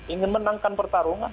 ingin menangkan pertarungan